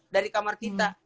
dari kamar kita